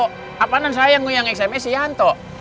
kenapa saya yang ngelukain xma si yanto